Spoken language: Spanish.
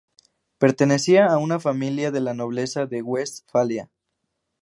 Pertenecía a una familia de la nobleza de Westfalia.